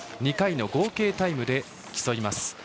２回の合計タイムで競います。